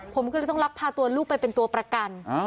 ผมก็เลยต้องลักพาตัวลูกไปเป็นตัวประกัน